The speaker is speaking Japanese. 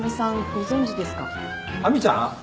亜美ちゃん？